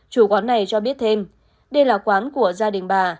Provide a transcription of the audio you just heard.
chủ quán này cho biết thêm đây là quán của gia đình bà